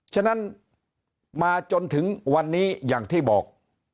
ฉะนั้นมาจนถึงวันนี้อย่างที่บอก